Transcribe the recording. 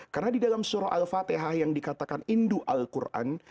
karena di dalam surah al fatihah yang dikatakan indu al quran